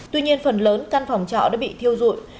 tuy nhiên phần lớn căn phòng trọ đã bị thiêu dụi